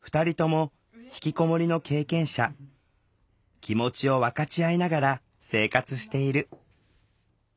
気持ちを分かち合いながら生活している。